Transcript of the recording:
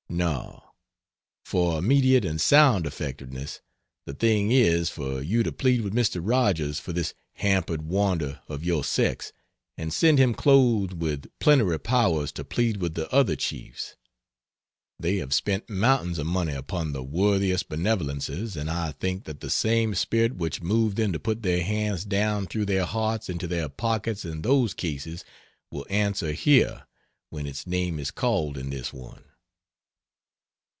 No, for immediate and sound effectiveness, the thing is for you to plead with Mr. Rogers for this hampered wonder of your sex, and send him clothed with plenary powers to plead with the other chiefs they have spent mountains of money upon the worthiest benevolences, and I think that the same spirit which moved them to put their hands down through their hearts into their pockets in those cases will answer "Here!" when its name is called in this one.